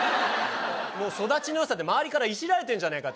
もう育ちのよさで周りからイジられてんじゃねえか